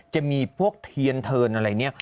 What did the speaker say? จะมีพวกเทียนเทิร์น